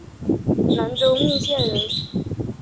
南州密县人。